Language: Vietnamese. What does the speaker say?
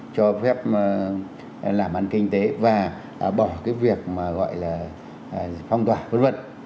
cho phép làm ăn kinh tế và bỏ cái việc mà gọi là phong tỏa vấn vật